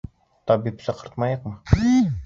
— Табип саҡыртмайыҡмы?